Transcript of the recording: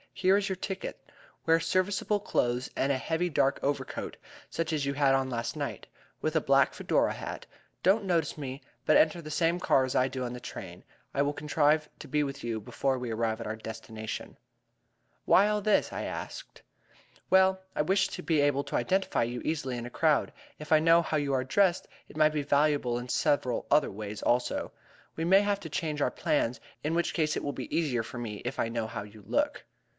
"Here is your ticket. Wear serviceable clothes and a heavy dark overcoat, such as you had on last night, with a black Fedora hat. Don't notice me, but enter the same car as I do on the train. I will contrive to be with you before we arrive at our destination." "Why all this?" I asked. "Well, I wish to be able to identify you easily in a crowd. If I know how you are dressed, it might be valuable in several other ways also. We may have to change our plans, in which event it will be easier for me if I know how you look."